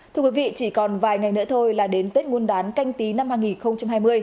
thưa quý vị chỉ còn vài ngày nữa thôi là đến tết nguyên đán canh tí năm hai nghìn hai mươi